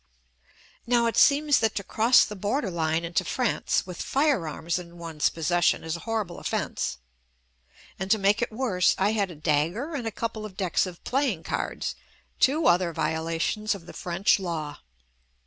Now it seems that to cross the border line into France with fire arms in one's possession is a horrible off ence — and to make it worse I had a dagger and a couple of decks of playing cards — two other violations of the French law.